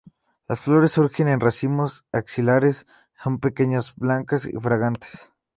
Las flores surgen en racimos axilares, son pequeñas, blancas y fragantes.